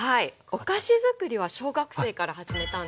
お菓子づくりは小学生から始めたので。